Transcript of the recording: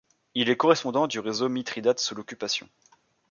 Il est correspondant du réseau Mithridate sous l'occupation.